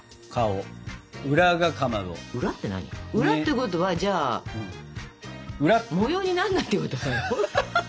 裏ってことはじゃあ模様になんないってこと？